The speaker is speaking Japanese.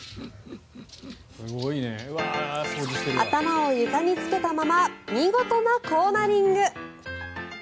頭を床につけたまま見事なコーナリング。